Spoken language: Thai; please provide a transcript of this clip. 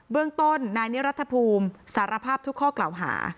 เรื่องต้นนายนิรัฐภูมิสารภาพทุกข้อกล่าวหา